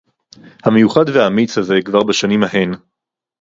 המיוחד והאמיץ הזה כבר בשנים ההן